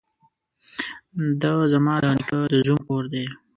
ده ځما ده نيکه ده زوم کور دې.